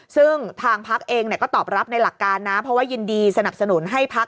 ซึ่งทางพักเองก็ตอบรับในหลักการนะเพราะว่ายินดีสนับสนุนให้พัก